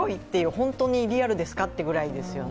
本当にリアルですかってぐらいですよね。